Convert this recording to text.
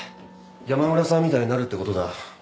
山村さんみたいになるってことだ。